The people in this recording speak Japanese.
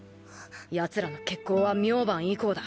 やつらの決行は明晩以降だ。